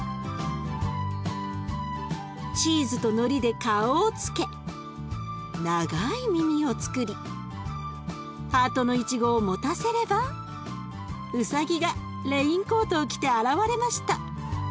チーズとのりで顔をつけ長い耳をつくりハートのいちごを持たせればウサギがレインコートを着て現れました。